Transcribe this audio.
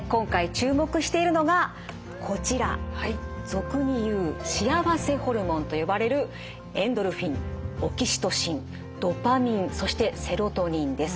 俗に言う幸せホルモンと呼ばれるエンドルフィンオキシトシンドパミンそしてセロトニンです。